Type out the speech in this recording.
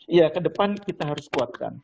iya ke depan kita harus kuatkan